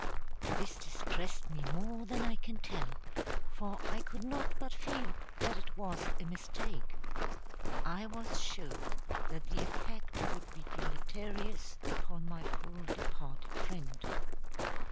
This distressed me more than I can tell, for I could not but feel that it was a mistake. I was sure that the effect would be deleterious upon my poor departed friend.